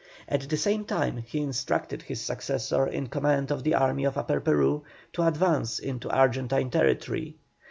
At the same time he instructed his successor in command of the Army of Upper Peru, to advance into Argentine territory.